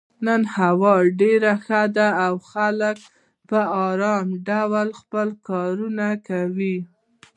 نن هوا ډېره ښه ده او خلک په ارام ډول خپل کارونه کوي.